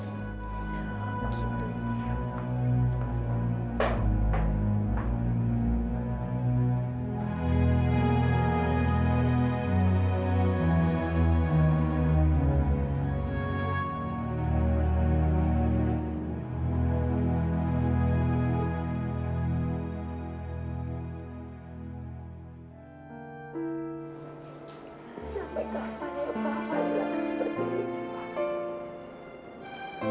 sampai kapan ya pak fadil akan seperti ini pak